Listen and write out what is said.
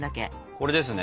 これですね